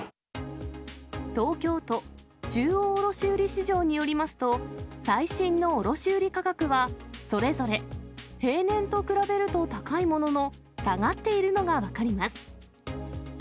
東京都中央卸売市場によりますと、最新の卸売り価格は、それぞれ平年と比べると高いものの、下がっているのが分かります。